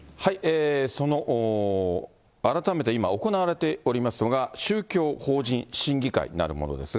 改めて今、行われていますのが宗教法人審議会なるものですが。